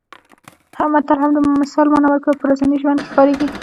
متل هم د مثال مانا ورکوي او په ورځني ژوند کې کارېږي